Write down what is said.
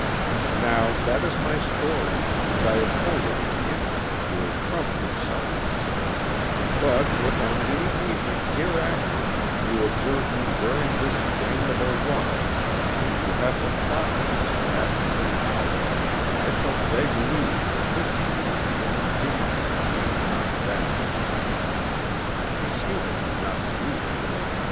"Now that is my story, and I have told it in the interest of your trumpery science; but if on any evening hereafter you observe me wearing this damnable watch, and you have the thoughtfulness to ask me the hour, I shall beg leave to put you to the inconvenience of being knocked down." His humor did not amuse me.